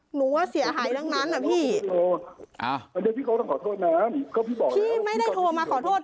หนูก็เสียหายดังนั้นอะพี่พี่โทรไม่ได้พูดมาขอโทษ